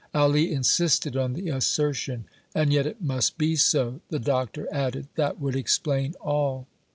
Ali insisted on the assertion. "And yet it must be so," the doctor added. "That would explain all."